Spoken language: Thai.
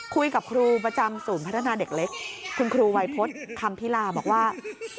คุยกับครูประจำศูนย์พัฒนาเด็กเล็กคุณครูวัยพฤษคำพิลาบอกว่า